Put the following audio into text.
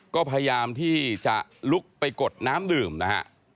ก็พยายามที่จะลุกไปกดน้ำดื่มนะฮะ